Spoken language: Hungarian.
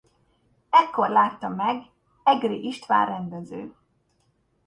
Ekkor látta meg Egri István rendező.